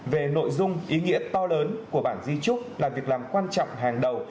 về nội dung ý nghĩa to lớn của bản di trúc là việc làm quan trọng hàng đầu